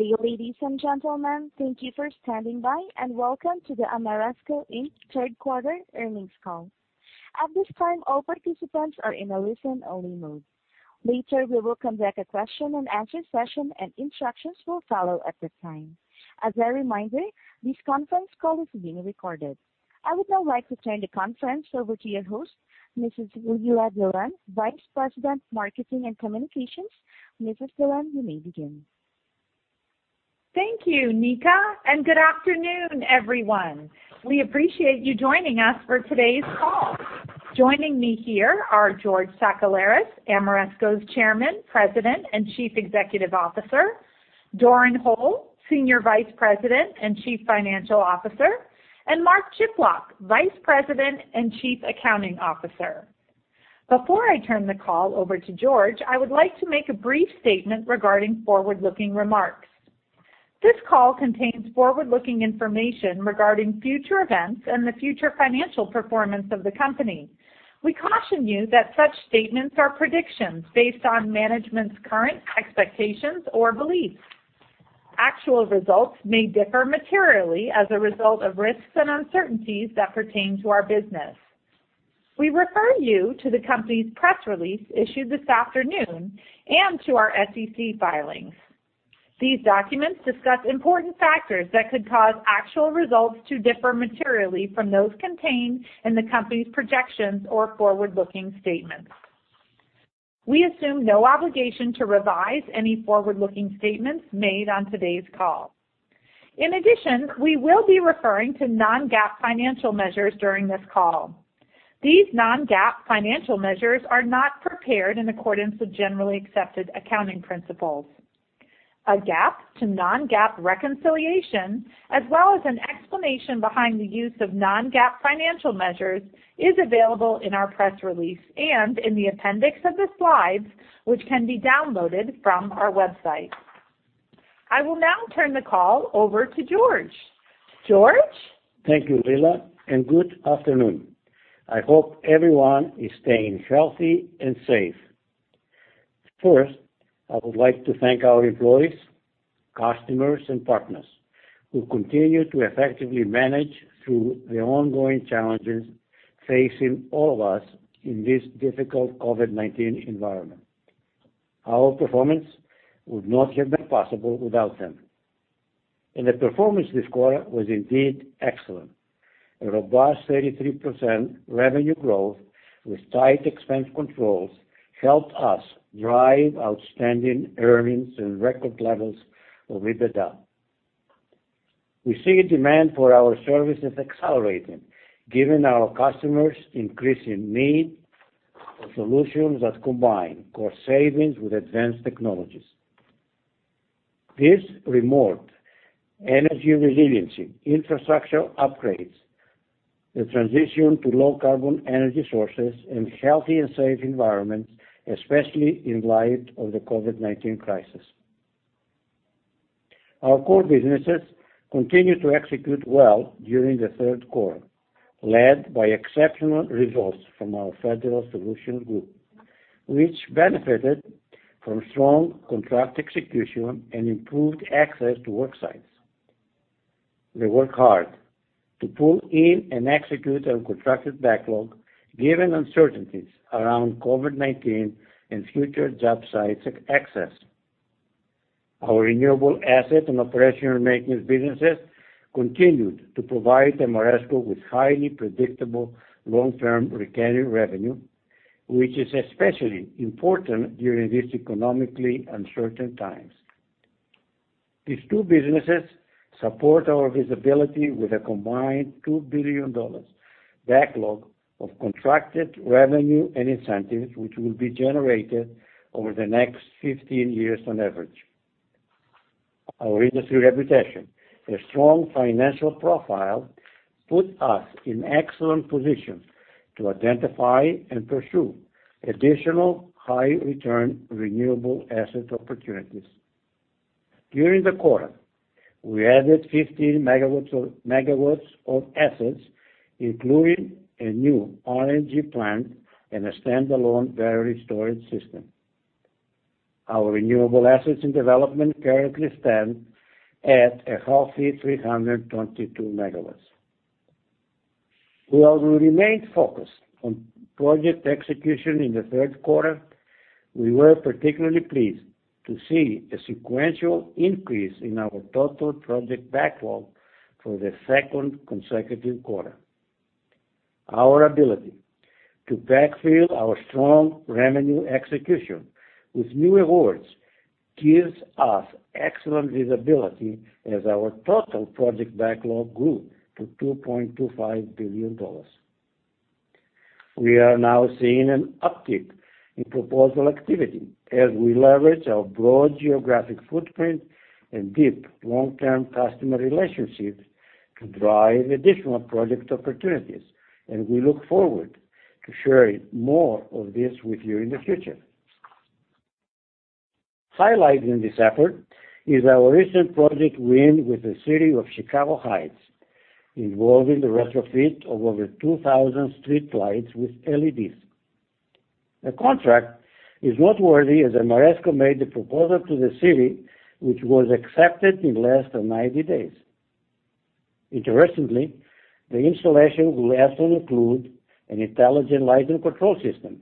Good day, ladies and gentlemen. Thank you for standing by, and welcome to the Ameresco, Inc. third quarter earnings call. At this time, all participants are in a listen-only mode. Later, we will conduct a question-and-answer session, and instructions will follow at that time. As a reminder, this conference call is being recorded. I would now like to turn the conference over to your host, Mrs. Leila Dillon, Vice President, Marketing and Communications. Mrs. Dillon, you may begin. Thank you, Nika, and good afternoon, everyone. We appreciate you joining us for today's call. Joining me here are George Sakellaris, Ameresco's Chairman, President, and Chief Executive Officer, Doran Hole, Senior Vice President and Chief Financial Officer, and Mark Chiplock, Vice President and Chief Accounting Officer. Before I turn the call over to George, I would like to make a brief statement regarding forward-looking remarks. This call contains forward-looking information regarding future events and the future financial performance of the company. We caution you that such statements are predictions based on management's current expectations or beliefs. Actual results may differ materially as a result of risks and uncertainties that pertain to our business. We refer you to the company's press release issued this afternoon and to our SEC filings. These documents discuss important factors that could cause actual results to differ materially from those contained in the company's projections or forward-looking statements. We assume no obligation to revise any forward-looking statements made on today's call. In addition, we will be referring to non-GAAP financial measures during this call. These non-GAAP financial measures are not prepared in accordance with generally accepted accounting principles. A GAAP to non-GAAP reconciliation, as well as an explanation behind the use of non-GAAP financial measures, is available in our press release and in the appendix of the slides, which can be downloaded from our website. I will now turn the call over to George. George? Thank you, Leila, good afternoon. I hope everyone is staying healthy and safe. First, I would like to thank our employees, customers, and partners who continue to effectively manage through the ongoing challenges facing all of us in this difficult COVID-19 environment. Our performance would not have been possible without them. The performance this quarter was indeed excellent. A robust 33% revenue growth with tight expense controls helped us drive outstanding earnings and record levels of EBITDA. We see demand for our services accelerating, given our customers' increasing need for solutions that combine cost savings with advanced technologies. This promotes energy resiliency, infrastructure upgrades, the transition to low-carbon energy sources, and healthy and safe environments, especially in light of the COVID-19 crisis. Our core businesses continued to execute well during the third quarter, led by exceptional results from our Federal Solutions Group, which benefited from strong contract execution and improved access to work sites. They work hard to pull in and execute on contracted backlog, given uncertainties around COVID-19 and future job sites access. Our renewable asset and operation maintenance businesses continued to provide Ameresco with highly predictable long-term recurring revenue, which is especially important during these economically uncertain times. These two businesses support our visibility with a combined $2 billion backlog of contracted revenue and incentives, which will be generated over the next 15 years on average. Our industry reputation and a strong financial profile put us in excellent position to identify and pursue additional high-return renewable asset opportunities. During the quarter, we added 50 MW of assets, including a new RNG plant and a standalone battery storage system. Our renewable assets in development currently stand at a healthy 322 MW. While we remained focused on project execution in the third quarter, we were particularly pleased to see a sequential increase in our total project backlog for the second consecutive quarter. Our ability to backfill our strong revenue execution with new awards gives us excellent visibility as our total project backlog grew to $2.25 billion. We are now seeing an uptick in proposal activity as we leverage our broad geographic footprint and deep long-term customer relationships to drive additional project opportunities. We look forward to sharing more of this with you in the future. Highlight in this effort is our recent project win with the City of Chicago Heights, involving the retrofit of over 2,000 streetlights with LEDs. The contract is noteworthy as Ameresco made the proposal to the city, which was accepted in less than 90 days. Interestingly, the installation will also include an intelligent lighting control system,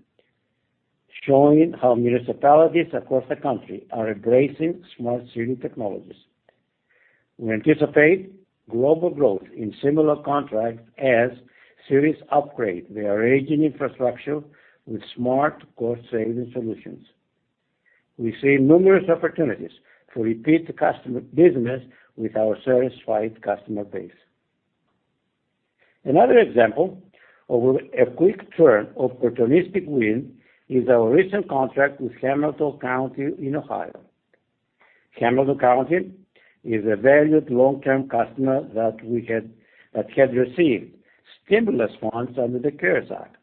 showing how municipalities across the country are embracing smart city technologies. We anticipate global growth in similar contracts as cities upgrade their aging infrastructure with smart cost-saving solutions. We see numerous opportunities for repeat business with our satisfied customer base. Another example of a quick-turn opportunistic win is our recent contract with Hamilton County in Ohio. Hamilton County is a valued long-term customer that had received stimulus funds under the CARES Act,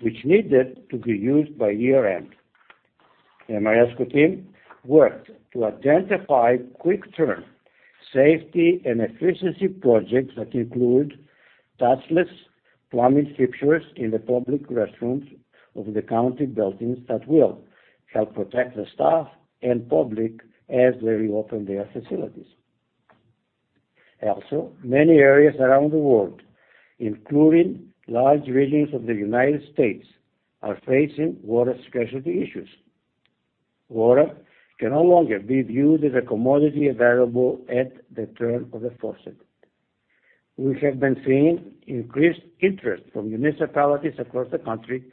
which needed to be used by year-end. The Ameresco team worked to identify quick-turn safety and efficiency projects that include touchless plumbing fixtures in the public restrooms of the county buildings that will help protect the staff and public as they reopen their facilities. Many areas around the world, including large regions of the United States, are facing water scarcity issues. Water can no longer be viewed as a commodity available at the turn of a faucet. We have been seeing increased interest from municipalities across the country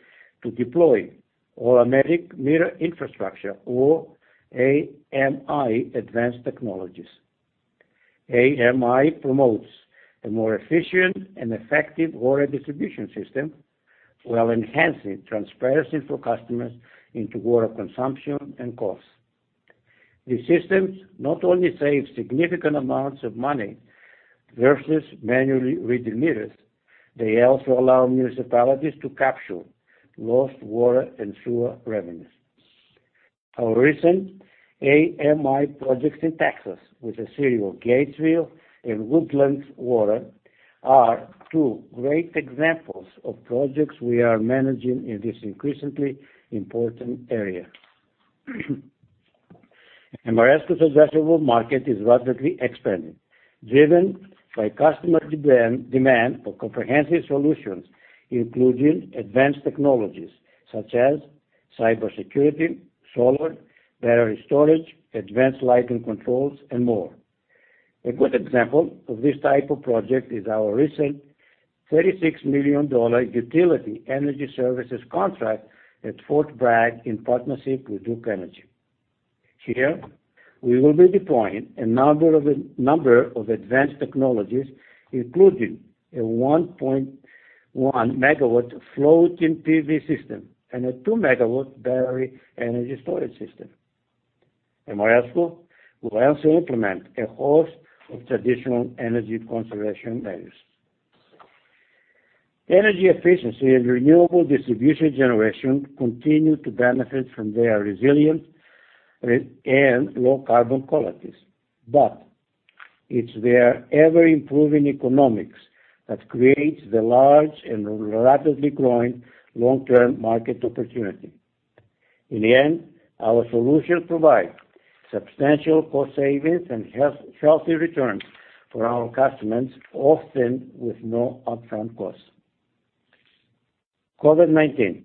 to deploy automatic meter infrastructure or AMI advanced technologies. AMI promotes a more efficient and effective water distribution system while enhancing transparency for customers into water consumption and costs. These systems not only save significant amounts of money versus manually reading meters, they also allow municipalities to capture lost water and sewer revenues. Our recent AMI projects in Texas with the City of Gatesville and Woodlands Water are two great examples of projects we are managing in this increasingly important area. Ameresco's addressable market is rapidly expanding, driven by customer demand for comprehensive solutions, including advanced technologies such as cybersecurity, solar, battery storage, advanced lighting controls, and more. A good example of this type of project is our recent $36 million utility energy services contract at Fort Bragg in partnership with Duke Energy. Here, we will be deploying a number of advanced technologies, including a 1.1 MW floating PV system and a 2 MW battery energy storage system. Ameresco will also implement a host of traditional energy conservation measures. Energy efficiency and renewable distributed generation continue to benefit from their resilient and low-carbon qualities. It's their ever-improving economics that creates the large and rapidly growing long-term market opportunity. In the end, our solutions provide substantial cost savings and healthy returns for our customers, often with no upfront costs. COVID-19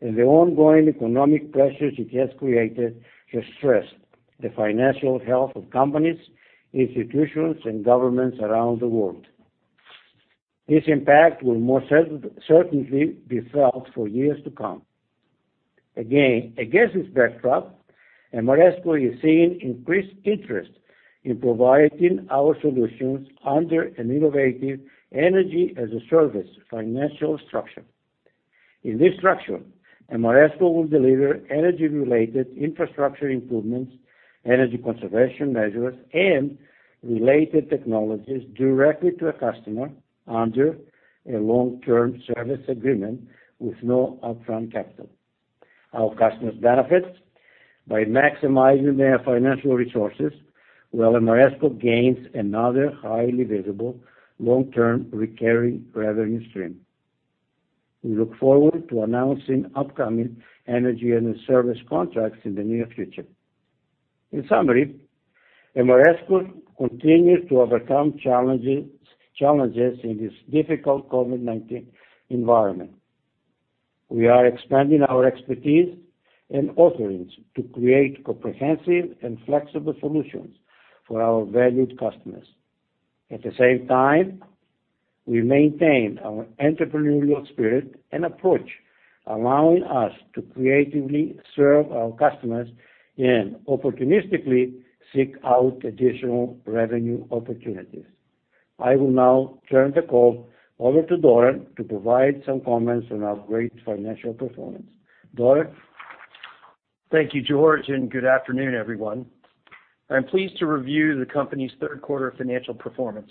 and the ongoing economic pressures it has created have stressed the financial health of companies, institutions, and governments around the world. This impact will most certainly be felt for years to come. Again, against this backdrop, Ameresco is seeing increased interest in providing our solutions under an innovative Energy-as-a-Service financial structure. In this structure, Ameresco will deliver energy-related infrastructure improvements, energy conservation measures, and related technologies directly to a customer under a long-term service agreement with no upfront capital. Our customers benefit by maximizing their financial resources, while Ameresco gains another highly visible long-term recurring revenue stream. We look forward to announcing upcoming Energy-as-a-Service contracts in the near future. In summary, Ameresco continues to overcome challenges in this difficult COVID-19 environment. We are expanding our expertise and offerings to create comprehensive and flexible solutions for our valued customers. At the same time, we maintain our entrepreneurial spirit and approach, allowing us to creatively serve our customers and opportunistically seek out additional revenue opportunities. I will now turn the call over to Doran to provide some comments on our great financial performance. Doran? Thank you, George. Good afternoon, everyone. I'm pleased to review the company's third quarter financial performance.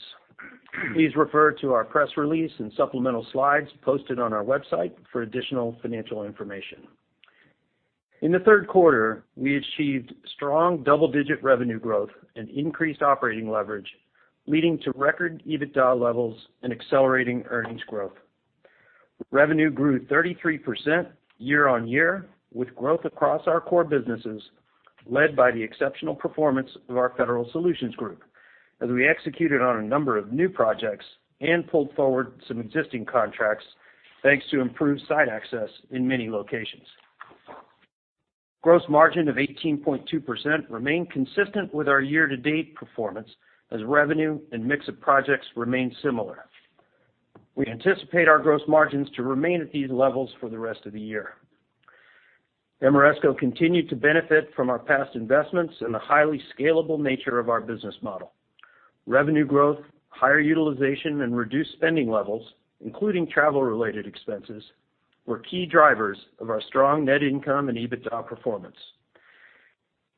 Please refer to our press release and supplemental slides posted on our website for additional financial information. In the third quarter, we achieved strong double-digit revenue growth and increased operating leverage, leading to record EBITDA levels and accelerating earnings growth. Revenue grew 33% year-on-year, with growth across our core businesses led by the exceptional performance of our Federal Solutions Group as we executed on a number of new projects and pulled forward some existing contracts thanks to improved site access in many locations. Gross margin of 18.2% remained consistent with our year-to-date performance as revenue and mix of projects remained similar. We anticipate our gross margins to remain at these levels for the rest of the year. Ameresco continued to benefit from our past investments and the highly scalable nature of our business model. Revenue growth, higher utilization, and reduced spending levels, including travel-related expenses, were key drivers of our strong net income and EBITDA performance.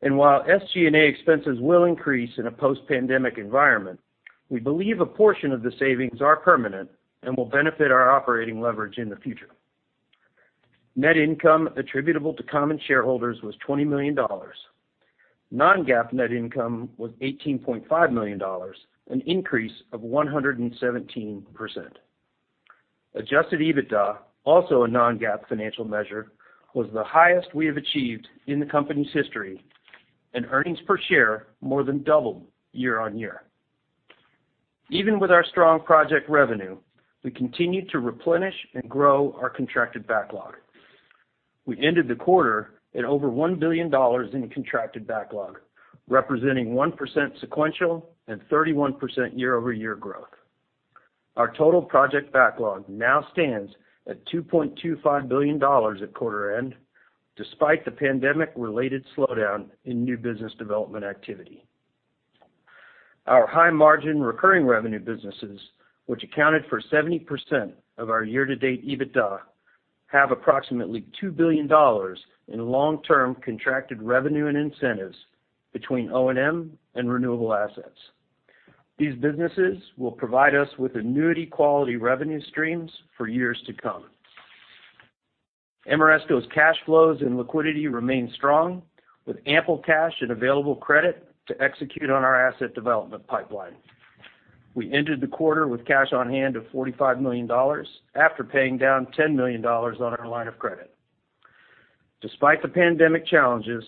While SG&A expenses will increase in a post-pandemic environment, we believe a portion of the savings are permanent and will benefit our operating leverage in the future. Net income attributable to common shareholders was $20 million. Non-GAAP net income was $18.5 million, an increase of 117%. Adjusted EBITDA, also a non-GAAP financial measure, was the highest we have achieved in the company's history, and earnings per share more than doubled year-on-year. Even with our strong project revenue, we continued to replenish and grow our contracted backlog. We ended the quarter at over $1 billion in contracted backlog, representing 1% sequential and 31% year-over-year growth. Our total project backlog now stands at $2.25 billion at quarter end, despite the pandemic-related slowdown in new business development activity. Our high-margin recurring revenue businesses, which accounted for 70% of our year-to-date EBITDA, have approximately $2 billion in long-term contracted revenue and incentives between O&M and renewable assets. These businesses will provide us with annuity-quality revenue streams for years to come. Ameresco's cash flows and liquidity remain strong, with ample cash and available credit to execute on our asset development pipeline. We ended the quarter with cash on hand of $45 million after paying down $10 million on our line of credit. Despite the pandemic challenges,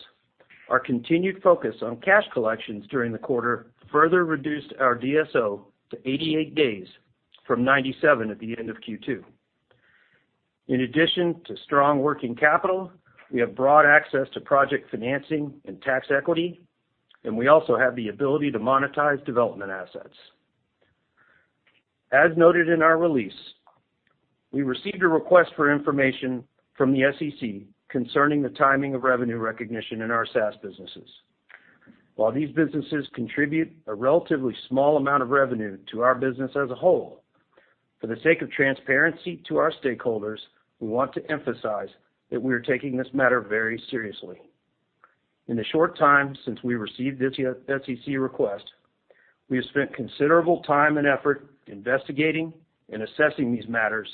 our continued focus on cash collections during the quarter further reduced our DSO to 88 days from 97 at the end of Q2. In addition to strong working capital, we have broad access to project financing and tax equity, and we also have the ability to monetize development assets. As noted in our release, we received a request for information from the SEC concerning the timing of revenue recognition in our SaaS businesses. While these businesses contribute a relatively small amount of revenue to our business as a whole, for the sake of transparency to our stakeholders, we want to emphasize that we are taking this matter very seriously. In the short time since we received this SEC request, we have spent considerable time and effort investigating and assessing these matters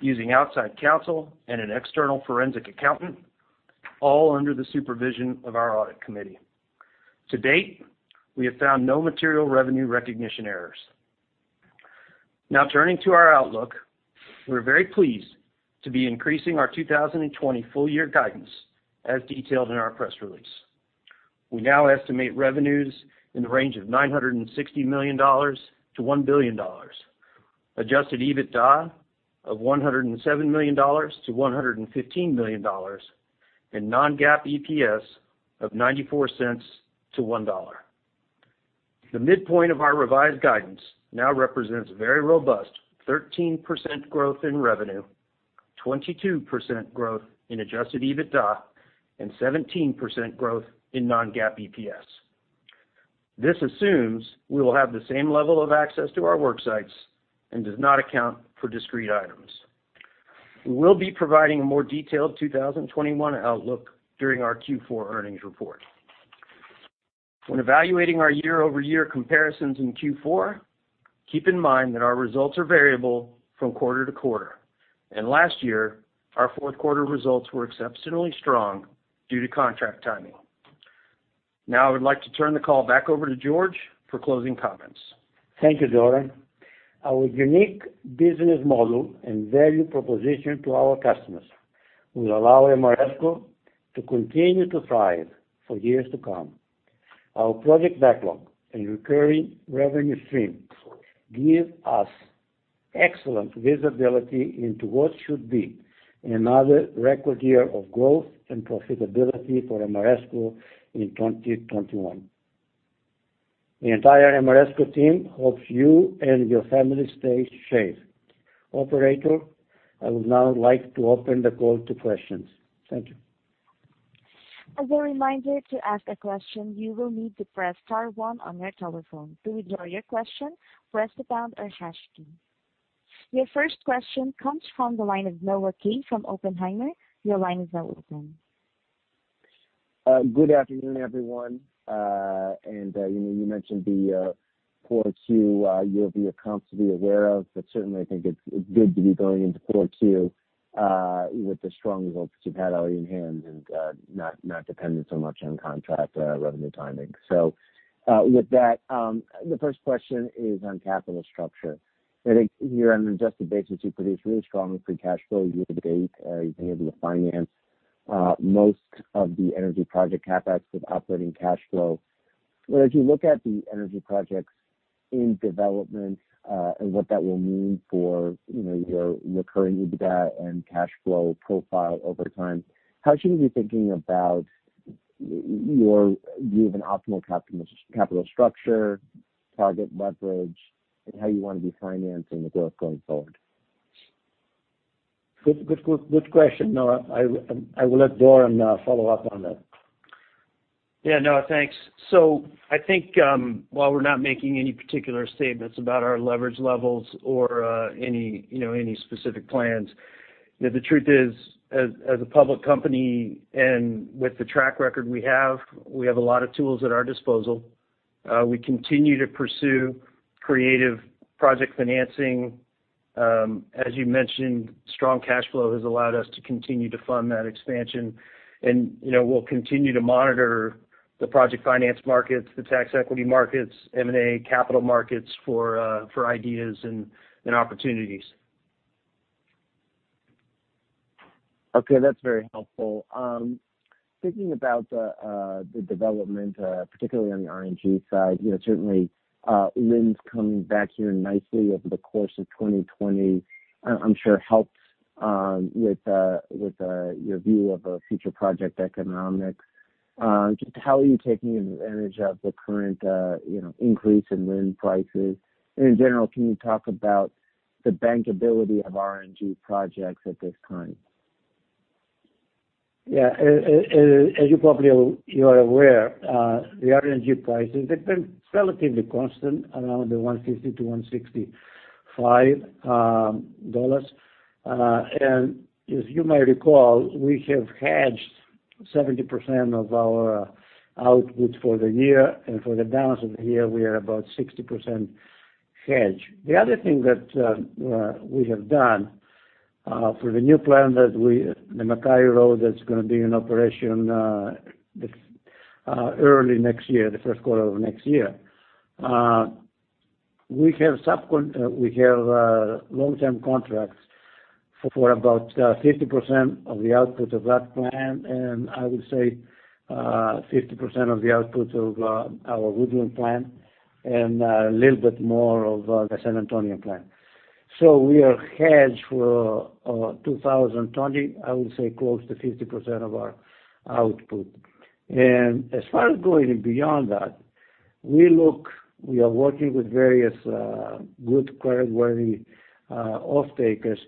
using outside counsel and an external forensic accountant, all under the supervision of our audit committee. To date, we have found no material revenue recognition errors. Turning to our outlook. We're very pleased to be increasing our 2020 full-year guidance as detailed in our press release. We now estimate revenues in the range of $960 million-$1 billion, adjusted EBITDA of $107 million-$115 million, and non-GAAP EPS of $0.94-$1.00. The midpoint of our revised guidance now represents very robust 13% growth in revenue, 22% growth in adjusted EBITDA, and 17% growth in non-GAAP EPS. This assumes we will have the same level of access to our work sites and does not account for discrete items. We will be providing a more detailed 2021 outlook during our Q4 earnings report. When evaluating our year-over-year comparisons in Q4, keep in mind that our results are variable from quarter to quarter, and last year, our fourth quarter results were exceptionally strong due to contract timing. I would like to turn the call back over to George for closing comments. Thank you, Doran. Our unique business model and value proposition to our customers will allow Ameresco to continue to thrive for years to come. Our project backlog and recurring revenue streams give us excellent visibility into what should be another record year of growth and profitability for Ameresco in 2021. The entire Ameresco team hopes you and your family stay safe. Operator, I would now like to open the call to questions. Thank you. As a reminder to ask a question, you will need to press one on your telephone. To withdraw your question, press the pound or hash key. Your first question comes from the line of Noah Kaye from Oppenheimer. Your line is now open. Good afternoon, everyone. You mentioned the Q4, you'll be constantly aware of, but certainly, I think it's good to be going into Q4 with the strong results that you've had already in hand and not dependent so much on contract revenue timing. With that, the first question is on capital structure. I think year-on-year, on an adjusted basis, you produced really strong free cash flow year-to-date. You've been able to finance most of the energy project CapEx with operating cash flow. As you look at the energy projects in development and what that will mean for your recurring EBITDA and cash flow profile over time, how should we be thinking about your view of an optimal capital structure, target leverage, and how you want to be financing the growth going forward? Good question, Noah. I will let Doran follow up on that. Yeah, Noah, thanks. I think while we're not making any particular statements about our leverage levels or any specific plans, the truth is as a public company and with the track record we have, we have a lot of tools at our disposal. We continue to pursue creative project financing. As you mentioned, strong cash flow has allowed us to continue to fund that expansion. We'll continue to monitor the project finance markets, the tax equity markets, M&A capital markets for ideas and opportunities. Okay. That's very helpful. Thinking about the development, particularly on the RNG side, certainly RINs coming back here nicely over the course of 2020, I'm sure helps with your view of future project economics. Just how are you taking advantage of the current increase in RIN prices? In general, can you talk about the bankability of RNG projects at this time? Yeah. As you probably are aware, the RNG prices, they've been relatively constant around the $1.50-$1.65. As you may recall, we have hedged 70% of our output for the year, and for the balance of the year, we are about 60% hedged. The other thing that we have done for the new plant, the McCarty Road, that's going to be in operation early next year, the first quarter of next year. We have long-term contracts for about 50% of the output of that plant, and I would say 50% of the output of our Woodland plant and a little bit more of the San Antonio plant. We are hedged for 2020, I would say close to 50% of our output. As far as going beyond that, we are working with various good creditworthy off-takers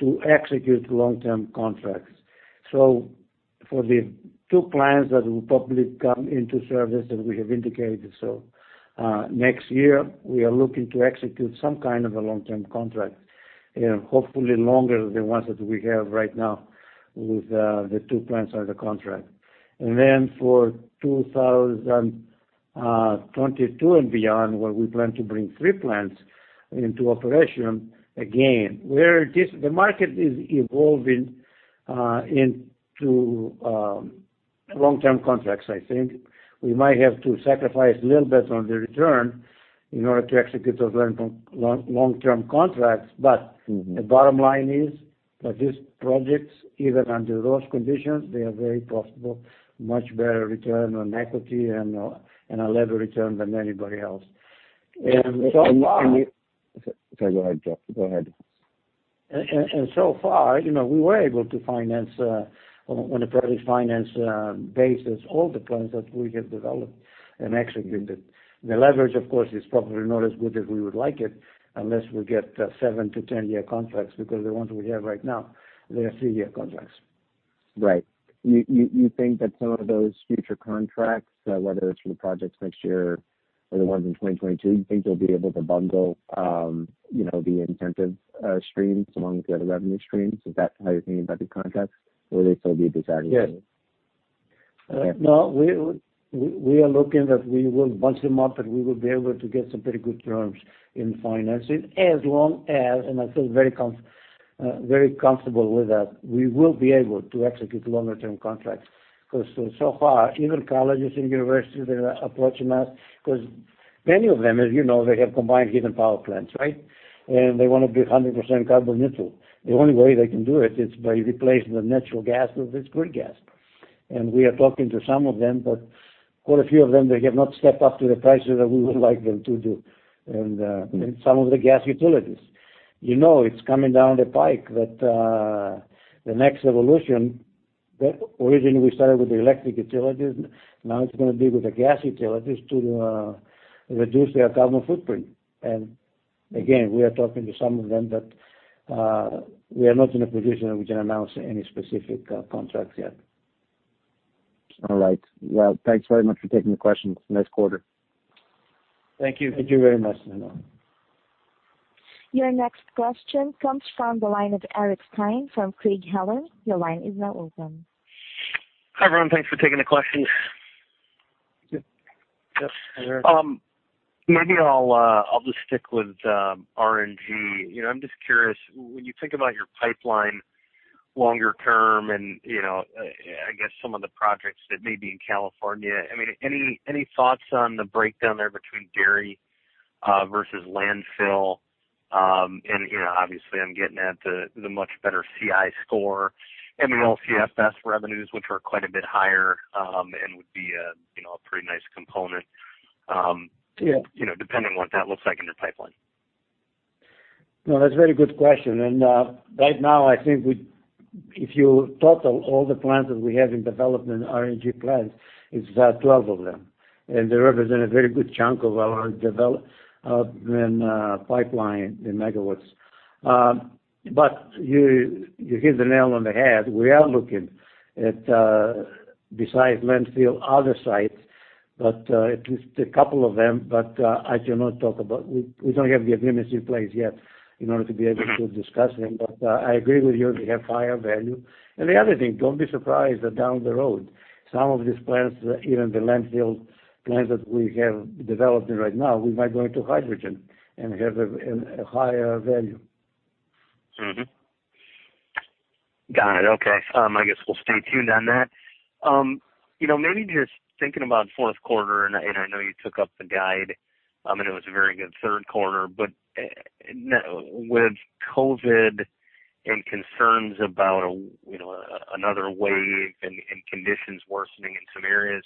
to execute long-term contracts. For the two plants that will probably come into service, as we have indicated, next year, we are looking to execute some kind of a long-term contract, and hopefully longer than ones that we have right now with the two plants under contract. For 2022 and beyond, where we plan to bring three plants into operation, again. The market is evolving into long-term contracts, I think. We might have to sacrifice a little bit on the return in order to execute those long-term contracts. The bottom line is that these projects, even under those conditions, they are very profitable, much better return on equity and a levered return than anybody else. Sorry, go ahead, George. Go ahead. So far, we were able to finance on a project finance basis all the plants that we have developed and executed. The leverage, of course, is probably not as good as we would like it unless we get 7-10-year contracts because the ones we have right now, they are three-year contracts. Right. You think that some of those future contracts, whether it's for the projects next year or the ones in 2022, you think they'll be able to bundle the incentive streams along with the other revenue streams? Is that how you're thinking about the contracts? Will they still be disaggregated? Yes. Okay. No, we are looking that we will bunch them up, and we will be able to get some pretty good terms in financing as long as, and I feel very comfortable with that, we will be able to execute longer-term contracts. So far, even colleges and universities, they are approaching us because many of them, as you know, they have combined heat and power plants, right? They want to be 100% carbon neutral. The only way they can do it is by replacing the natural gas with this green gas. We are talking to some of them, but quite a few of them, they have not stepped up to the prices that we would like them to do. some of the gas utilities. You know it's coming down the pike that the next evolution, originally we started with the electric utilities, now it's going to be with the gas utilities to reduce their carbon footprint. Again, we are talking to some of them, but we are not in a position that we can announce any specific contracts yet. All right. Thanks very much for taking the questions. Nice quarter. Thank you. Thank you very much, Noah. Your next question comes from the line of Eric Stine from Craig-Hallum. Your line is now open. Hi, everyone. Thanks for taking the questions. Yes. Hi, Eric. Maybe I'll just stick with RNG. I'm just curious, when you think about your pipeline longer-term, and I guess some of the projects that may be in California, any thoughts on the breakdown there between dairy versus landfill? Obviously, I'm getting at the much better CI score. I mean, LCFS revenues, which are quite a bit higher, and would be a pretty nice component. Yeah depending on what that looks like in your pipeline. No, that's a very good question. Right now, I think if you total all the plants that we have in development, RNG plants, it's about 12 of them. They represent a very good chunk of our development pipeline in megawatts. You hit the nail on the head. We are looking at, besides landfill, other sites, at least a couple of them, but I cannot talk about We don't have the agreements in place yet in order to be able to discuss them. I agree with you, they have higher value. The other thing, don't be surprised that down the road, some of these plants, even the landfill plants that we have developed right now, we might go into hydrogen and have a higher value. Got it. Okay. I guess we'll stay tuned on that. Maybe just thinking about fourth quarter, I know you took up the guide. It was a very good third quarter. Now with COVID and concerns about another wave and conditions worsening in some areas,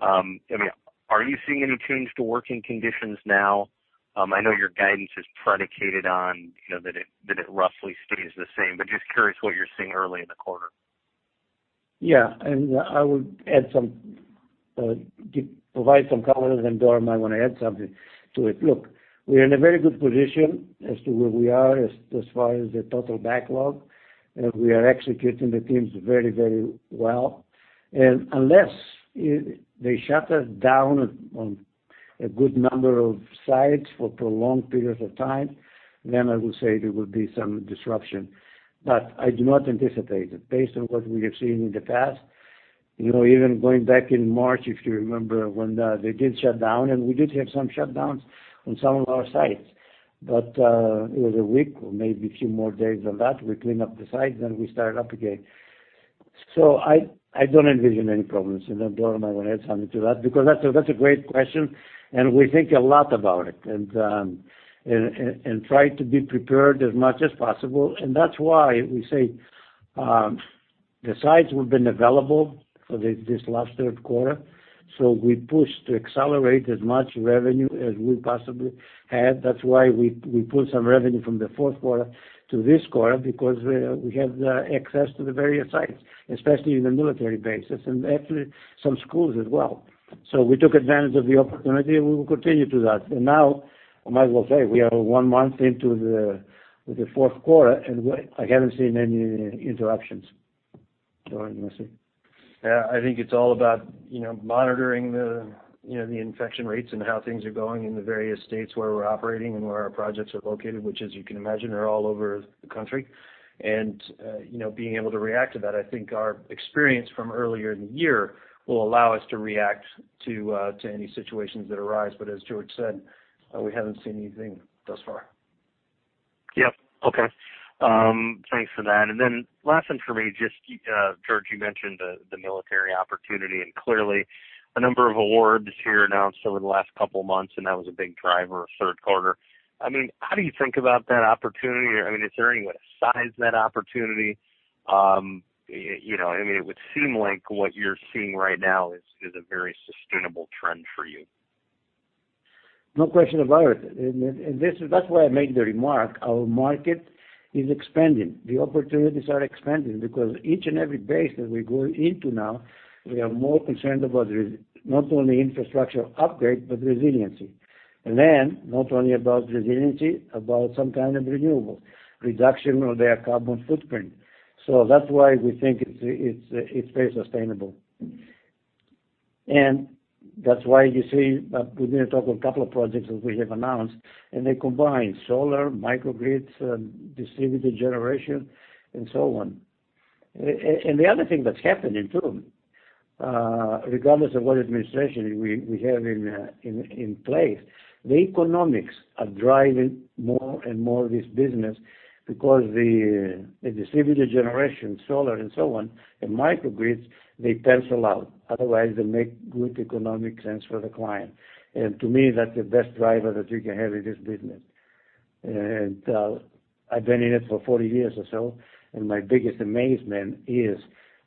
are you seeing any change to working conditions now? I know your guidance is predicated on that it roughly stays the same. Just curious what you're seeing early in the quarter. Yeah. I would provide some color, then Doran might want to add something to it. Look, we are in a very good position as to where we are as far as the total backlog. We are executing the teams very well. Unless they shut us down on a good number of sites for prolonged periods of time, then I would say there will be some disruption. I do not anticipate it based on what we have seen in the past. Even going back in March, if you remember when they did shut down, and we did have some shutdowns on some of our sites. It was a week or maybe a few more days than that. We clean up the site, then we start up again. I don't envision any problems, and then Doran might want to add something to that, because that's a great question, and we think a lot about it, and try to be prepared as much as possible. That's why we say the sites have been available for this last third quarter, so we pushed to accelerate as much revenue as we possibly had. That's why we pulled some revenue from the fourth quarter to this quarter, because we have the access to the various sites, especially in the military bases, and actually some schools as well. We took advantage of the opportunity, and we will continue to do that. Now, I might as well say, we are one month into the fourth quarter, and I haven't seen any interruptions. Doran, you want to say? Yeah, I think it's all about monitoring the infection rates and how things are going in the various states where we're operating and where our projects are located, which, as you can imagine, are all over the country, and being able to react to that. I think our experience from earlier in the year will allow us to react to any situations that arise. As George said, we haven't seen anything thus far. Yep. Okay. Thanks for that. Last one for me, just George, you mentioned the military opportunity, and clearly a number of awards here announced over the last couple of months, and that was a big driver of third quarter. How do you think about that opportunity? Is there any way to size that opportunity? It would seem like what you're seeing right now is a very sustainable trend for you. No question about it. That's why I made the remark. Our market is expanding. The opportunities are expanding because each and every base that we go into now, we are more concerned about not only infrastructure upgrade, but resiliency. Then, not only about resiliency, about some kind of renewable, reduction of their carbon footprint. That's why we think it's very sustainable. That's why you see, we're going to talk about a couple of projects that we have announced, and they combine solar, microgrids, distributed generation, and so on. The other thing that's happening, too, regardless of what administration we have in place, the economics are driving more and more of this business because the distributed generation, solar, and so on, and microgrids, they pencil out. Otherwise, they make good economic sense for the client. To me, that's the best driver that you can have in this business. I've been in it for 40 years or so, and my biggest amazement is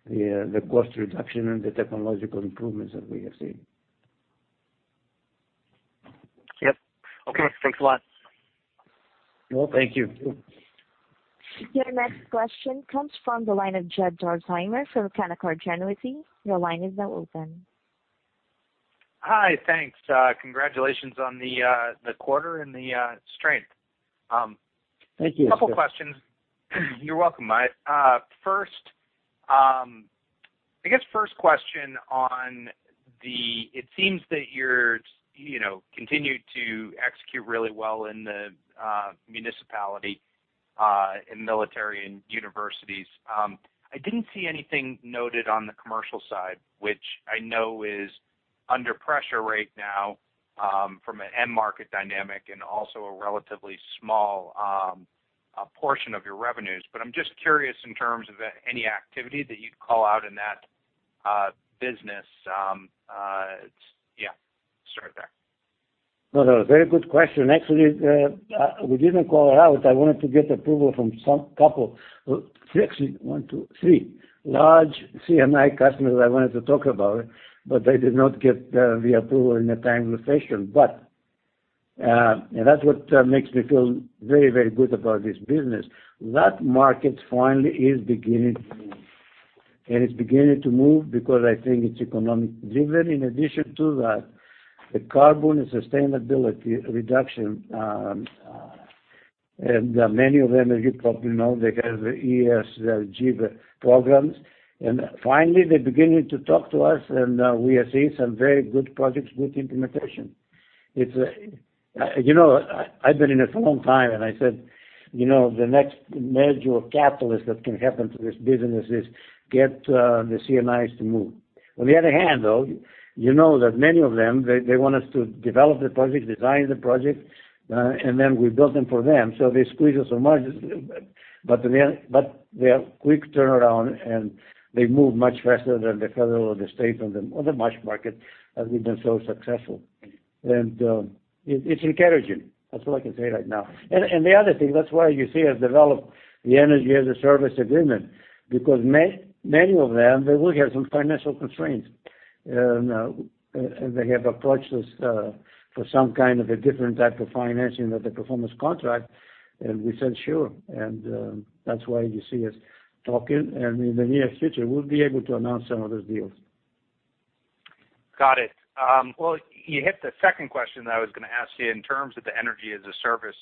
the cost reduction and the technological improvements that we have seen. Yep. Okay. Thanks a lot. Well, thank you. Your next question comes from the line of Jed Dorsheimer from Canaccord Genuity. Your line is now open. Hi. Thanks. Congratulations on the quarter and the strength. Thank you. Couple questions. You're welcome. It seems that you're continuing to execute really well in the municipality, in military, and universities. I didn't see anything noted on the commercial side, which I know is under pressure right now from an end market dynamic and also a relatively small portion of your revenues. I'm just curious in terms of any activity that you'd call out in that business. Yeah, start there. No, very good question. Actually, we didn't call it out. I wanted to get approval from some couple, actually one, two, three large C&I customers I wanted to talk about, but I did not get the approval in a timely fashion. That's what makes me feel very good about this business. That market finally is beginning to move, and it's beginning to move because I think it's economic driven. In addition to that, the carbon and sustainability reduction, and many of them, as you probably know, they have ESG programs, and finally they're beginning to talk to us, and we are seeing some very good projects with implementation. I've been in this a long time, and I said the next major catalyst that can happen to this business is get the C&Is to move. On the other hand, though, you know that many of them, they want us to develop the project, design the project, and then we build them for them, so they squeeze us on margins. They are quick turnaround, and they move much faster than the Federal or the State or the municipal market, as we've been so successful. It's encouraging. That's all I can say right now. The other thing, that's why you see us develop the Energy-as-a-Service agreement, because many of them, they will have some financial constraints. They have approached us for some kind of a different type of financing of the performance contract, and we said sure. That's why you see us talking, and in the near future, we'll be able to announce some of those deals. Got it. Well, you hit the second question that I was going to ask you in terms of the Energy-as-a-Service.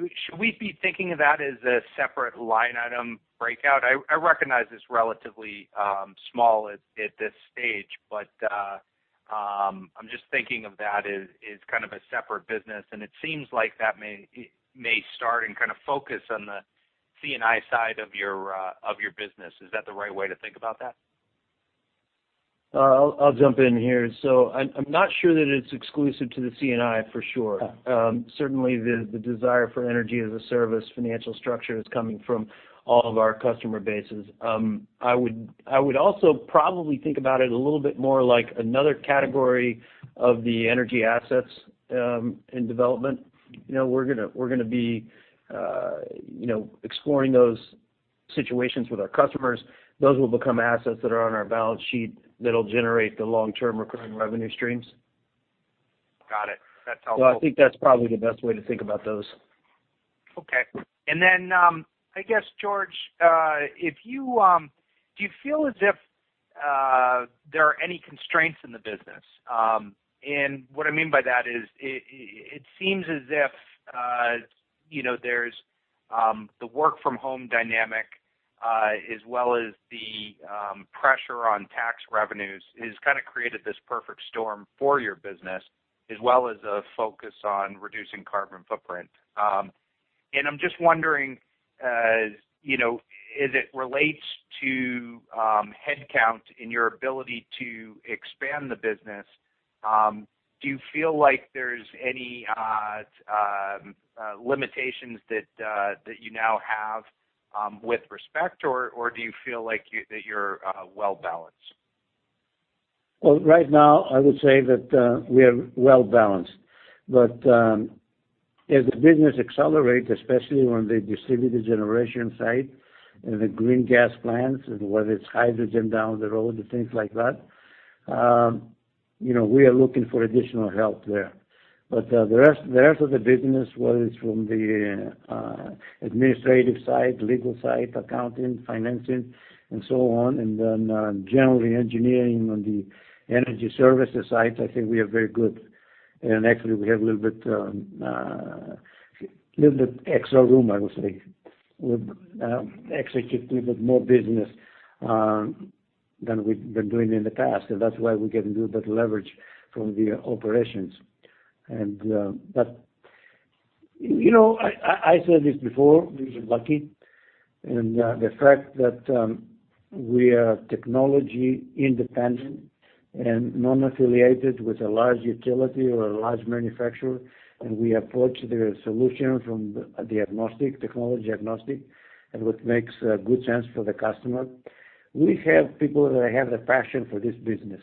Should we be thinking of that as a separate line item breakout? I recognize it's relatively small at this stage, but I'm just thinking of that as kind of a separate business, and it seems like that may start and focus on the C&I side of your business. Is that the right way to think about that? I'll jump in here. I'm not sure that it's exclusive to the C&I for sure. Yeah. Certainly, the desire for Energy-as-a-Service financial structure is coming from all of our customer bases. I would also probably think about it a little bit more like another category of the energy assets in development. We're going to be exploring those situations with our customers. Those will become assets that are on our balance sheet that'll generate the long-term recurring revenue streams. Got it. That's helpful. I think that's probably the best way to think about those. Okay. I guess, George, do you feel as if there are any constraints in the business? What I mean by that is, it seems as if there's the work-from-home dynamic, as well as the pressure on tax revenues has created this perfect storm for your business, as well as a focus on reducing carbon footprint. I'm just wondering, as it relates to headcount and your ability to expand the business, do you feel like there's any limitations that you now have with respect, or do you feel like that you're well-balanced? Well, right now, I would say that we are well-balanced. As the business accelerates, especially on the distributed generation side and the green gas plants and whether it's hydrogen down the road and things like that, we are looking for additional help there. The rest of the business, whether it's from the administrative side, legal side, accounting, financing, and so on, and then generally engineering on the energy services side, I think we are very good. Actually, we have a little bit extra room, I would say. We've executed a bit more business than we've been doing in the past, that's why we get a little bit of leverage from the operations. I said this before, we are lucky in the fact that we are technology independent and non-affiliated with a large utility or a large manufacturer, and we approach the solution from technology agnostic, and what makes good sense for the customer. We have people that have the passion for this business,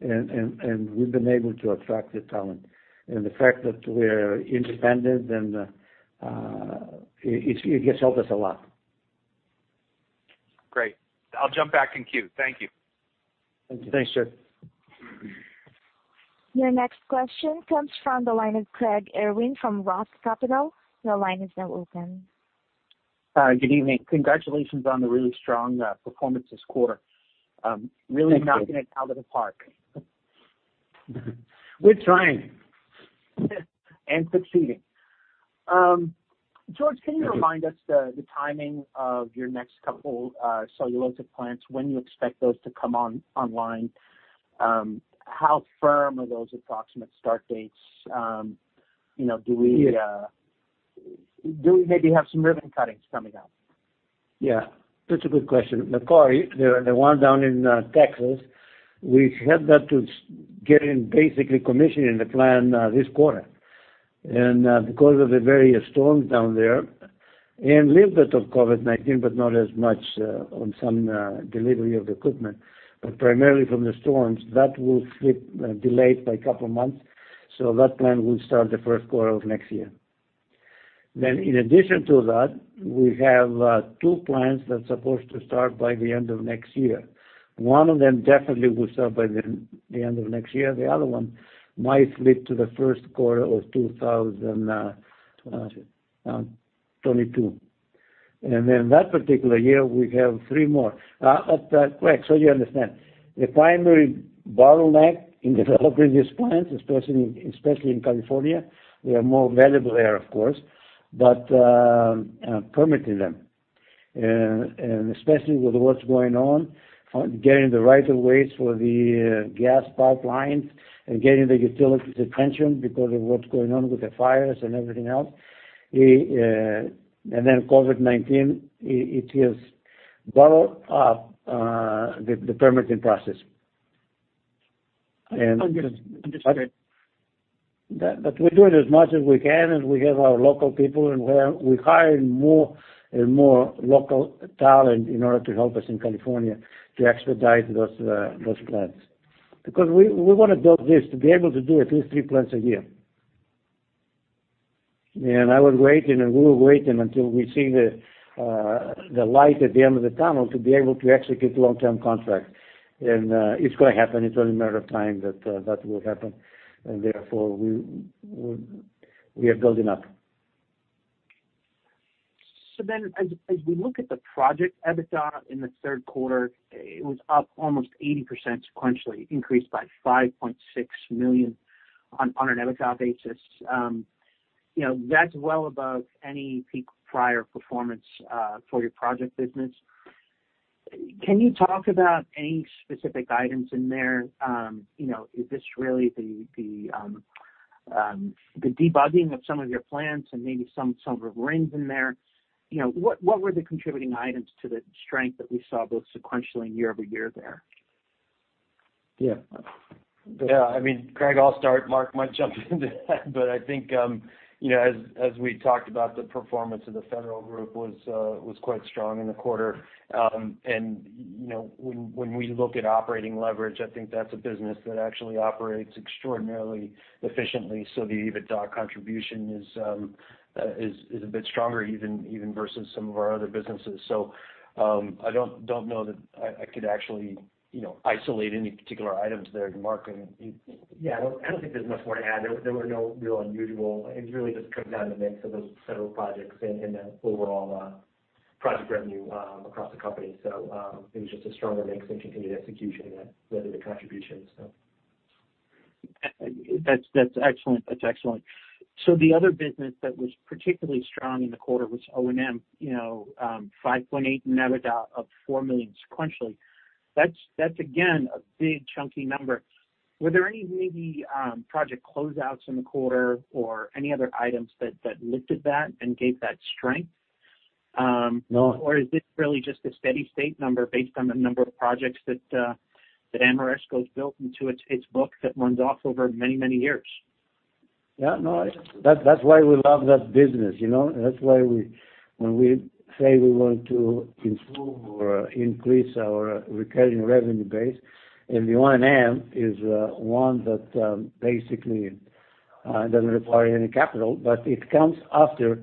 and we've been able to attract the talent. The fact that we're independent, it has helped us a lot. Great. I'll jump back in queue. Thank you. Thanks, Jed. Your next question comes from the line of Craig Irwin from ROTH Capital. Your line is now open. Good evening. Congratulations on the really strong performance this quarter. Thank you. Really knocking it out of the park. We're trying. Succeeding. George, can you remind us the timing of your next couple cellulosic plants, when you expect those to come online? How firm are those approximate start dates? Do we maybe have some ribbon cuttings coming up? Yeah. That's a good question. McCarty Road, the one down in Texas, we had that to getting basically commissioning the plant this quarter. Because of the various storms down there, and little bit of COVID-19, but not as much on some delivery of equipment. Primarily from the storms, that will slip, delayed by a couple of months. That plant will start the first quarter of next year. In addition to that, we have two plants that's supposed to start by the end of next year. One of them definitely will start by the end of next year, the other one might slip to the first quarter of 2022. That particular year, we have three more. Quick, so you understand. The primary bottleneck in developing these plants, especially in California, they are more valuable there, of course. Permitting them, and especially with what's going on, getting the right of ways for the gas pipelines and getting the utilities attention because of what's going on with the fires and everything else. Then COVID-19, it has bottled up the permitting process. Understood. We're doing as much as we can, and we have our local people, and we're hiring more and more local talent in order to help us in California to expedite those plants. We want to build this to be able to do at least three plants a year. I was waiting, and we were waiting until we see the light at the end of the tunnel to be able to execute long-term contracts. It's going to happen. It's only a matter of time that that will happen. Therefore, we are building up. As we look at the project EBITDA in the third quarter, it was up almost 80% sequentially, increased by $5.6 million on an EBITDA basis. That is well above any peak prior performance for your project business. Can you talk about any specific items in there? Is this really the debugging of some of your plants and maybe some RINs in there? What were the contributing items to the strength that we saw both sequentially and year-over-year there? Yeah. Yeah, Craig, I'll start. Mark might jump into that but I think as we talked about the performance of the Federal group was quite strong in the quarter. When we look at operating leverage, I think that's a business that actually operates extraordinarily efficiently. The EBITDA contribution is a bit stronger even versus some of our other businesses. I don't know that I could actually isolate any particular items there. Mark, you- Yeah, I don't think there's much more to add. It really just comes down to the mix of those federal projects and the overall project revenue across the company. It was just a stronger mix and continued execution that led to the contributions. That's excellent. The other business that was particularly strong in the quarter was O&M, $5.8 in EBITDA of $4 million sequentially. That's again a big chunky number. Were there any maybe project closeouts in the quarter or any other items that lifted that and gave that strength? No. Is this really just a steady state number based on the number of projects that Ameresco's built into its book that runs off over many, many years? Yeah, no. That's why we love that business. That's why when we say we want to improve or increase our recurring revenue base, the O&M is one that basically doesn't require any capital, but it comes after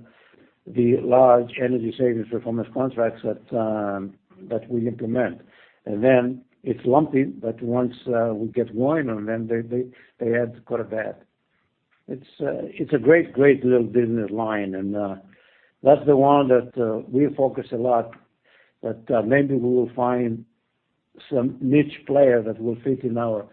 the large energy savings performance contracts that we implement. It's lumpy, but once we get going on them, they add quite a bit. It's a great little business line, that's the one that we focus a lot that maybe we will find some niche player that will fit in our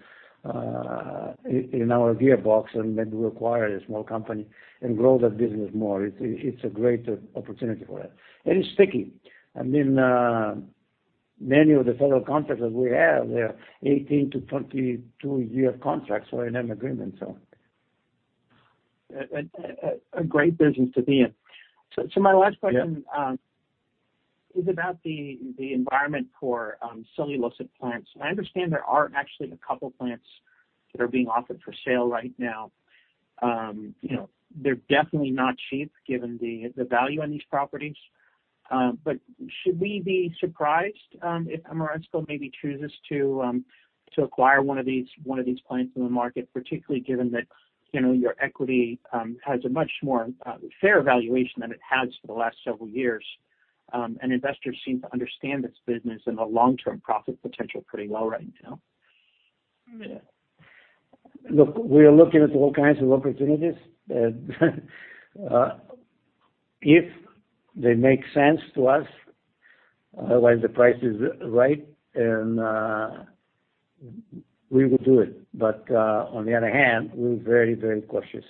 gearbox, maybe we acquire a small company and grow that business more. It's a great opportunity for that. It's sticky. I mean, many of the federal contracts that we have, they're 18-22 year contracts for O&M agreements. A great business to be in. My last question- Yeah is about the environment for cellulosic plants. I understand there are actually a couple plants that are being offered for sale right now. They're definitely not cheap given the value on these properties. Should we be surprised if Ameresco maybe chooses to acquire one of these plants in the market, particularly given that your equity has a much more fair valuation than it has for the last several years, and investors seem to understand this business and the long-term profit potential pretty well right now? Yeah. Look, we are looking at all kinds of opportunities. If they make sense to us, when the price is right, then we will do it. On the other hand, we're very cautious.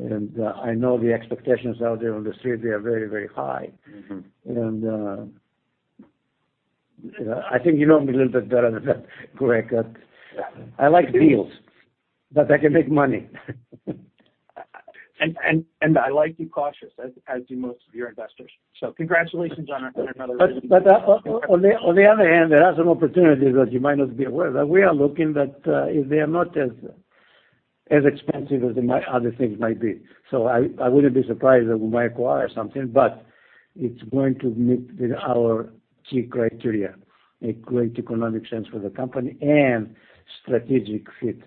I know the expectations out there on the street are very high. I think you know me a little bit better than that, Craig. I like deals that can make money. I like you cautious, as do most of your investors. Congratulations on another- On the other hand, there are some opportunities that you might not be aware that we are looking, but they are not as expensive as the other things might be. I wouldn't be surprised if we might acquire something, but it's going to meet with our key criteria, make great economic sense for the company and strategic fit.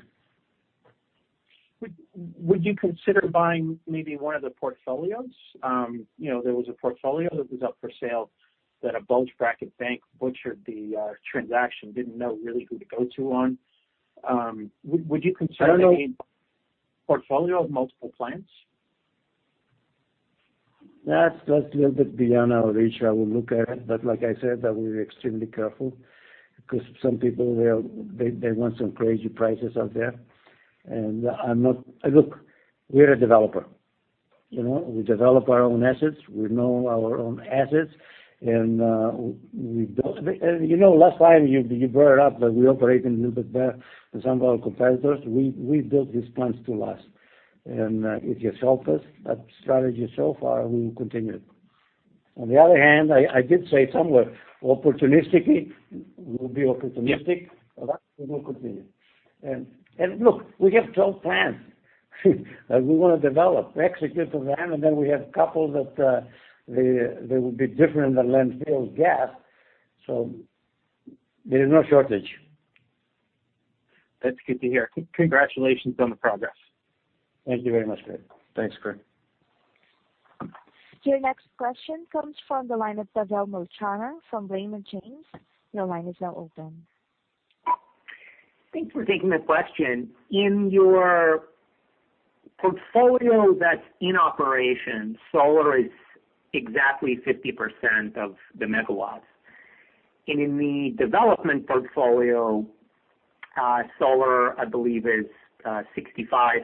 Would you consider buying maybe one of the portfolios? There was a portfolio that was up for sale that a bulge bracket bank butchered the transaction, didn't know really who to go to. I don't know. a portfolio of multiple plants? That's a little bit beyond our reach. I would look at it, but like I said, that we're extremely careful because some people, they want some crazy prices out there. Look, we are a developer. We develop our own assets. We know our own assets. Last time, you brought it up that we operate a little bit better than some of our competitors. We built these plants to last. It has helped us, that strategy so far, we will continue. On the other hand, I did say somewhere opportunistically, we'll be opportunistic. Yeah. That we will continue. Look, we have 12 plants that we want to develop, execute the plan, and then we have couple that they will be different than landfill gas. There is no shortage. That's good to hear. Congratulations on the progress. Thank you very much, Craig. Thanks, Craig. Your next question comes from the line of Pavel Molchanov from Raymond James. Your line is now open. Thanks for taking the question. In your portfolio that's in operation, solar is exactly 50% of the megawatts. In the development portfolio, solar, I believe, is 65%.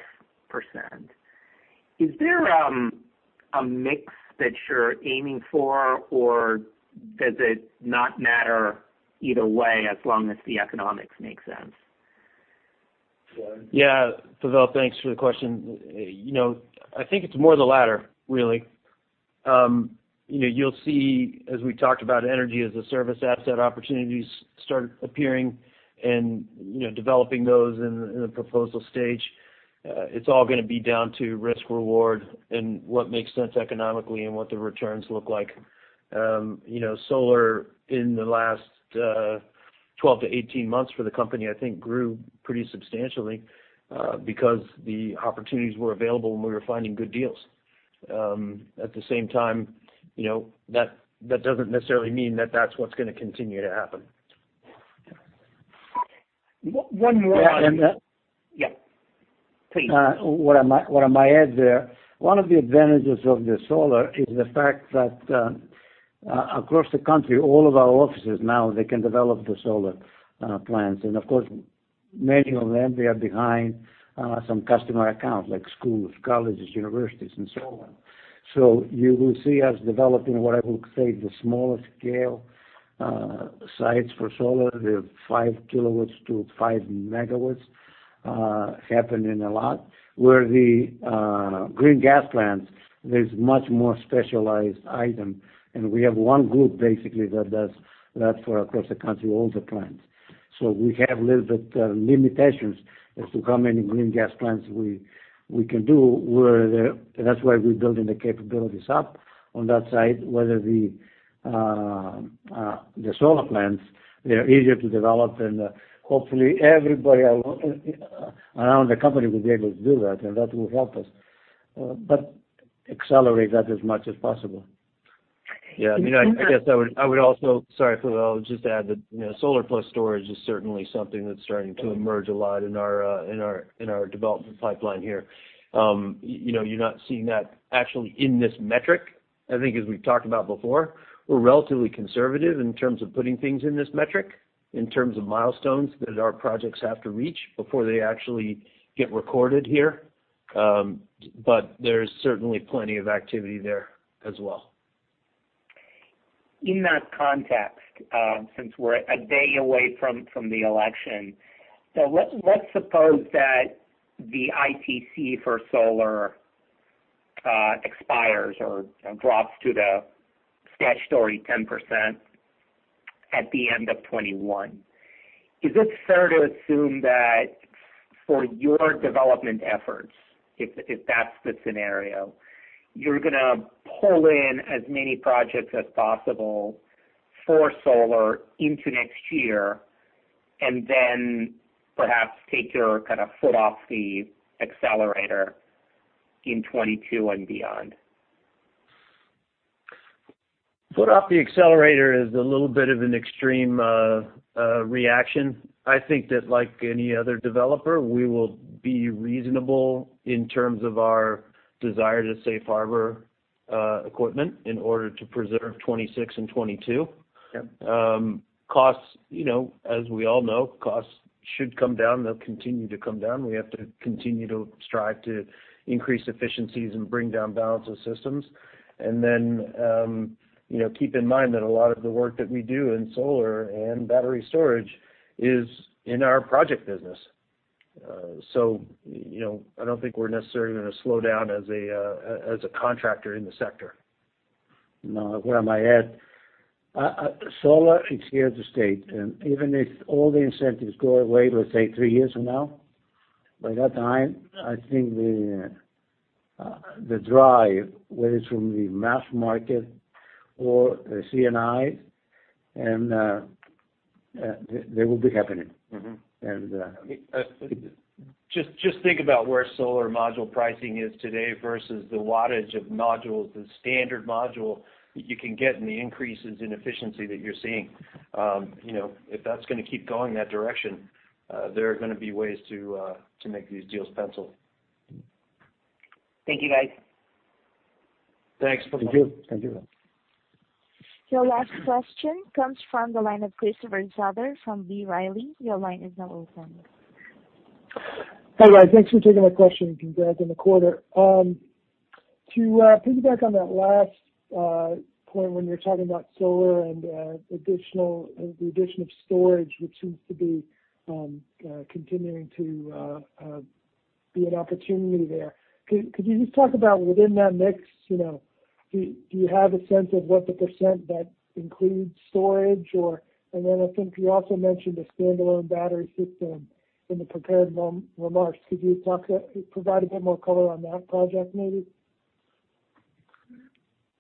Is there a mix that you're aiming for, or does it not matter either way, as long as the economics make sense? Yeah. Pavel, thanks for the question. I think it's more the latter, really. You'll see, as we talked about Energy-as-a-Service asset opportunities start appearing and developing those in the proposal stage. It's all going to be down to risk reward and what makes sense economically and what the returns look like. Solar in the last 12-18 months for the company, I think, grew pretty substantially, because the opportunities were available, and we were finding good deals. At the same time, that doesn't necessarily mean that that's what's going to continue to happen. One more- Yeah, and- Yeah. Please. What I might add there, one of the advantages of the solar is the fact that, across the country, all of our offices now, they can develop the solar plants. Of course, many of them, they are behind some customer accounts like schools, colleges, universities, and so on. You will see us developing what I would say the smaller scale sites for solar, the 5 kW-5 MW, happening a lot. Where the green gas plants, there's much more specialized item, and we have one group basically that does that for across the country, all the plants. We have a little bit limitations as to how many green gas plants we can do. That's why we're building the capabilities up on that side. Whether the solar plants, they're easier to develop and hopefully everybody around the company will be able to do that, and that will help us. Accelerate that as much as possible. I guess I would also Sorry, Pavel. I'll just add that solar plus storage is certainly something that's starting to emerge a lot in our development pipeline here. You're not seeing that actually in this metric. I think as we've talked about before, we're relatively conservative in terms of putting things in this metric, in terms of milestones that our projects have to reach before they actually get recorded here. There's certainly plenty of activity there as well. In that context, since we're a day away from the election. Let's suppose that the ITC for solar expires or drops to the statutory 10% at the end of 2021. Is it fair to assume that for your development efforts, if that's the scenario, you're going to pull in as many projects as possible for solar into next year and then perhaps take your kind of foot off the accelerator in 2022 and beyond? Foot off the accelerator is a little bit of an extreme reaction. I think that like any other developer, we will be reasonable in terms of our desire to safe harbor equipment in order to preserve 26% and 22%. Yeah. Costs, as we all know, costs should come down. They'll continue to come down. We have to continue to strive to increase efficiencies and bring down balance of systems. Keep in mind that a lot of the work that we do in solar and battery storage is in our project business. I don't think we're necessarily going to slow down as a contractor in the sector. No, what I might add, solar is here to stay. Even if all the incentives go away, let's say, three years from now, by that time, I think the drive, whether it's from the mass market or C&I, they will be happening. Just think about where solar module pricing is today versus the wattage of modules, the standard module that you can get, and the increases in efficiency that you're seeing. If that's going to keep going that direction, there are going to be ways to make these deals pencil. Thank you, guys. Thanks. Bye-bye. Thank you. Your last question comes from the line of Christopher Souther from B. Riley. Your line is now open. Hi, guys. Thanks for taking my question, and congrats on the quarter. To piggyback on that last point when you were talking about solar and the addition of storage, which seems to be continuing to be an opportunity there. Could you just talk about within that mix, do you have a sense of what the percent that includes storage? Then I think you also mentioned a standalone battery system in the prepared remarks. Could you provide a bit more color on that project maybe?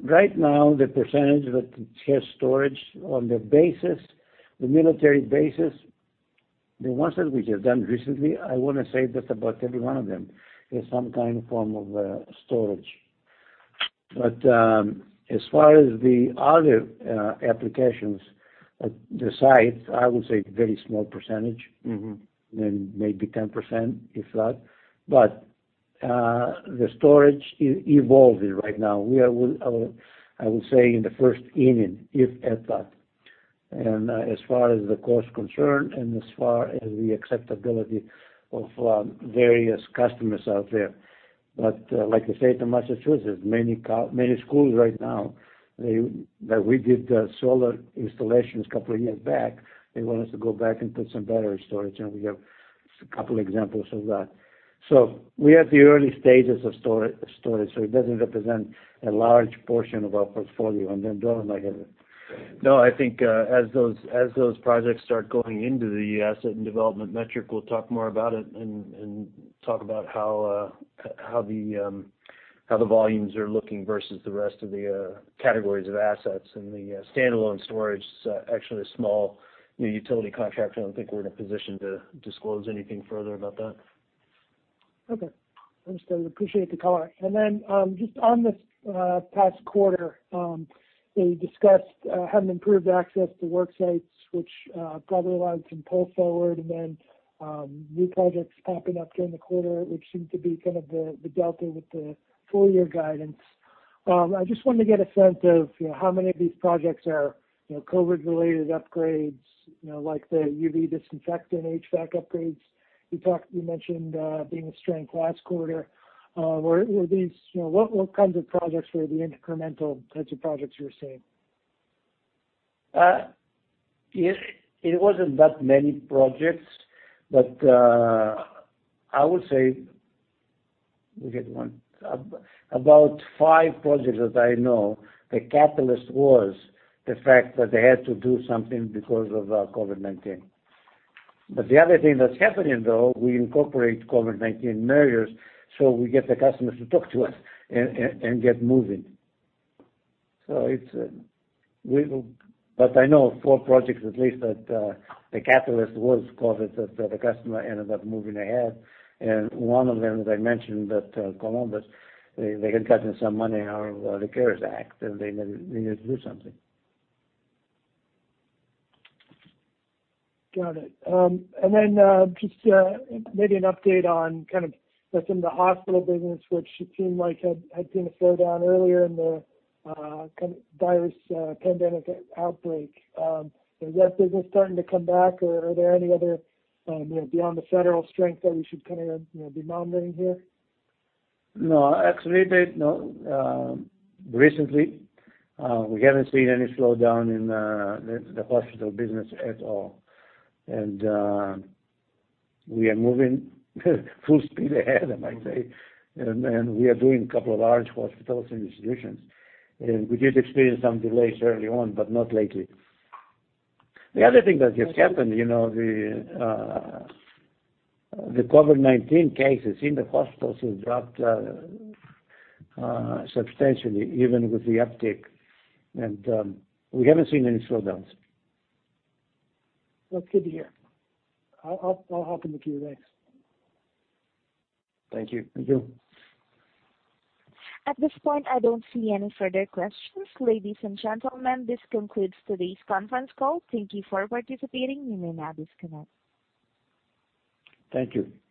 Right now, the percentage that has storage on the military bases, the ones that we have done recently, I want to say that about every one of them is some kind of form of storage. As far as the other applications at the sites, I would say a very small percentage. Maybe 10%, if that. The storage is evolving right now. We are, I would say, in the first inning, if at that. As far as the cost concerned and as far as the acceptability of various customers out there. Like the state of Massachusetts, many schools right now that we did the solar installations a couple of years back, they want us to go back and put some battery storage, and we have a couple examples of that. We are at the early stages of storage, so it doesn't represent a large portion of our portfolio. Doran, might have a No, I think as those projects start going into the asset and development metric, we'll talk more about it, and talk about how the volumes are looking versus the rest of the categories of assets. The standalone storage is actually a small utility contract, so I don't think we're in a position to disclose anything further about that. Okay. Understood. Appreciate the color. Just on this past quarter, you discussed having improved access to work sites, which probably allowed some pull forward, and then new projects popping up during the quarter, which seemed to be kind of the delta with the full-year guidance. I just wanted to get a sense of how many of these projects are COVID-related upgrades, like the UV disinfectant HVAC upgrades you mentioned being a strength last quarter. What kinds of projects were the incremental types of projects you were seeing? It wasn't that many projects. I would say, we get about five projects that I know the catalyst was the fact that they had to do something because of COVID-19. The other thing that's happening, though, we incorporate COVID-19 measures, so we get the customers to talk to us and get moving. I know four projects at least that the catalyst was COVID, that the customer ended up moving ahead. One of them, as I mentioned, that Columbus, they can capture some money out of the CARES Act, and they needed to do something. Got it. Just maybe an update on kind of within the hospital business, which it seemed like had been a slowdown earlier in the virus pandemic outbreak. Is that business starting to come back, or are there any other, beyond the Federal strength that we should kind of be monitoring here? No, actually, recently, we haven't seen any slowdown in the hospital business at all. We are moving full speed ahead, I might say. We are doing a couple of large hospitals and institutions, and we did experience some delays early on, but not lately. The other thing that has happened, the COVID-19 cases in the hospitals have dropped substantially, even with the uptick, and we haven't seen any slowdowns. That's good to hear. I'll hop in the queue. Thanks. Thank you. Thank you. At this point, I don't see any further questions. Ladies and gentlemen, this concludes today's conference call. Thank you for participating. You may now disconnect. Thank you.